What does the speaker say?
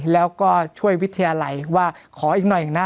แล้วก็ช่วยวิทยาลัยว่าขออีกหน่อยนะ